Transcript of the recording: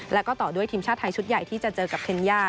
แล้วก็ต่อด้วยทีมชาติไทยชุดใหญ่ที่จะเจอกับเคนย่า